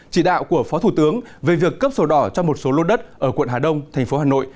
chỉ đạo của phó thủ tướng về việc cấp sổ đỏ cho một số lô đất ở quận hà đông thành phố hà nội